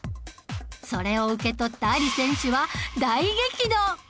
それを受け取ったアリ選手は大激怒！